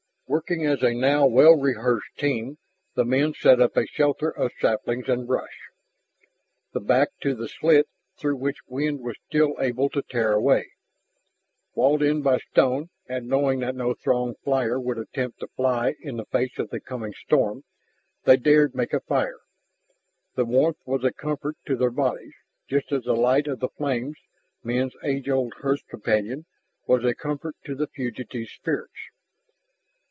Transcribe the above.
Working as a now well rehearsed team, the men set up a shelter of saplings and brush, the back to the slit through which wind was still able to tear a way. Walled in by stone and knowing that no Throg flyer would attempt to fly in the face of the coming storm, they dared make a fire. The warmth was a comfort to their bodies, just as the light of the flames, men's age old hearth companion, was a comfort to the fugitives' spirits.